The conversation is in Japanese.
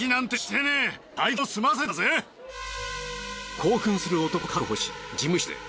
興奮する男を確保し事務室へ。